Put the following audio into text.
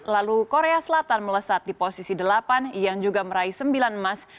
lalu korea selatan melesat di posisi delapan yang juga meraih sembilan emas